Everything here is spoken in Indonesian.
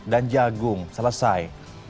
dan jagung selesai